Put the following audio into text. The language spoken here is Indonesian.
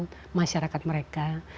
kehidupan masyarakat mereka